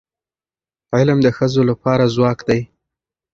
علم د ښځو لپاره ځواک دی.